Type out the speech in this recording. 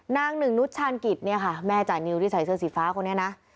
นางหนึ่งนุชชานกิจแม่จ่ายนิวที่ใส่เสื้อสีฟ้าคนนี้นะ